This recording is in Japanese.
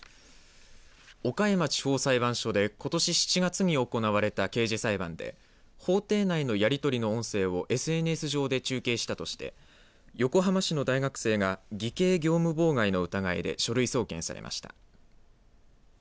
岡山地方裁判所でことし７月に行われた刑事裁判で法廷内のやり取りの音声をＳＮＳ上で中継したとして横浜市の大学生が偽計業務妨害の疑いで書類送検されました。